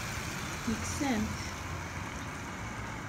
Yekkes-am-t.